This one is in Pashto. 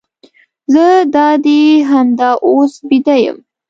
زه دادي همدا اوس بیده یم.